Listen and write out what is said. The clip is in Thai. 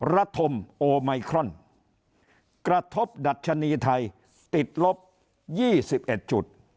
ธมโอไมครอนกระทบดัชนีไทยติดลบ๒๑จุด